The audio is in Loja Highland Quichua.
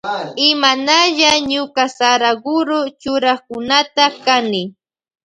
Imanalla ñuka Saraguro churakunata kani.